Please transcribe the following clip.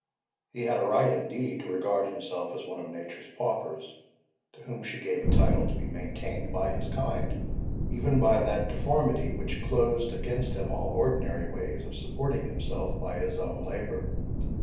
He had a right, indeed, to regard himself as one of Nature's paupers, to whom she gave a title to be maintained by his kind, even by that deformity which closed against him all ordinary ways of supporting himself by his own labour.